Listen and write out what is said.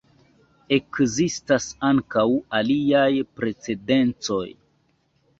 Ekzistas ankaŭ aliaj precedencoj.